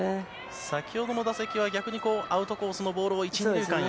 先ほどの打席は逆にアウトコースのボールを１、２塁間へ。